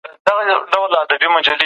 د مياشتنۍ وينې درد جدي ونيسه